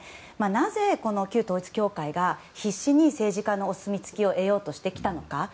なぜ、旧統一教会が必死に政治家のお墨付きを得ようとしてきたのか。